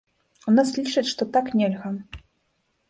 У нас лічаць, што так нельга.